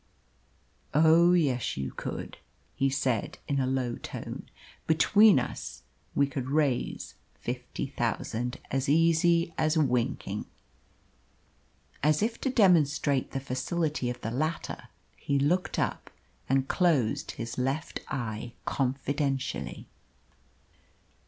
"Oh yes, you could," he said in a low tone. "Between us we could raise fifty thousand as easy as winking." As if to demonstrate the facility of the latter, he looked up and closed his left eye confidentially.